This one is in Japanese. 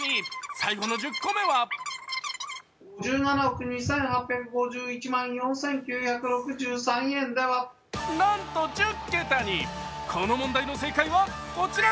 最後の１０個目はなんと１０桁にこの問題の正解はこちら。